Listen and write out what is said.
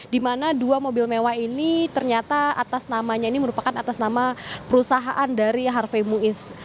di mana dua mobil mewah ini ternyata atas namanya ini merupakan atas nama perusahaan dari harvey muiz